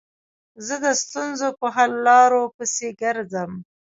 زه د ستونزو په حل لارو پيسي ګرځم.